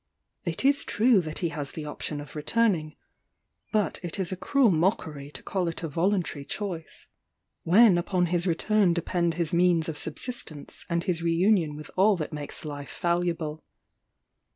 It is true that he has the option of returning; but it is a cruel mockery to call it a voluntary choice, when upon his return depend his means of subsistence and his re union with all that makes life valuable.